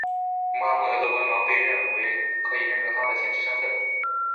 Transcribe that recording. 穆罕默德的文盲被认为可以认证他的先知身份。